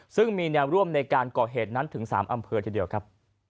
ซึ่งมีแนวร่วมในการก่อเหตุนั้นถึง๓อำเภอทีเดียวครับ